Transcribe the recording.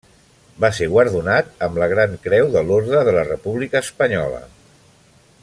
Va ser guardonat amb la Gran Creu de l'Orde de la República Espanyola.